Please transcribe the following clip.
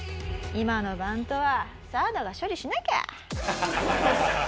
「今のバントはサードが処理しなきゃ」